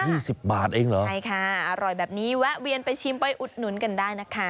สิบบาทเองเหรอใช่ค่ะอร่อยแบบนี้แวะเวียนไปชิมไปอุดหนุนกันได้นะคะ